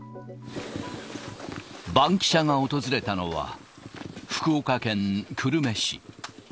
バンキシャが訪れたのは、福岡県久留米市。